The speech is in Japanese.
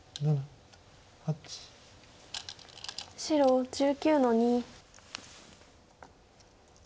白１９の二。